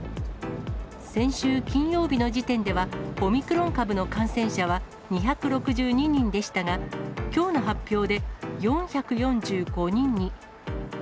先週金曜日の時点では、オミクロン株の感染者は２６２人でしたが、きょうの発表で、４４５人に。